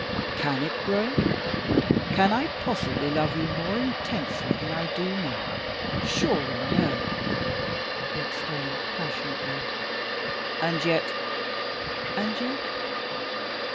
"Can it grow? Can I possibly love you more intensely than I do now surely no!" he exclaimed passionately. "And yet " "And yet?"